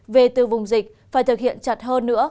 về từ vùng dịch phải thực hiện chặt hơn nữa